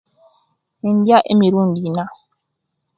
Indiya emirundi Ina